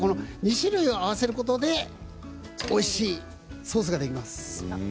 ２種類合わせることでおいしいソースができます。